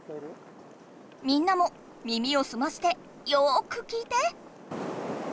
みんなも耳をすましてよく聞いて！